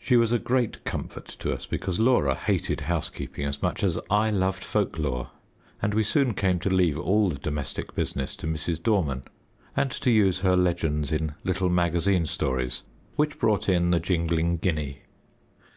She was a great comfort to us, because Laura hated housekeeping as much as I loved folklore, and we soon came to leave all the domestic business to Mrs. Dorman, and to use her legends in little magazine stories which brought in the jingling guinea.